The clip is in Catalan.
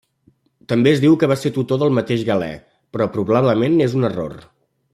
També es diu que va ser tutor del mateix Galè, però probablement és un error.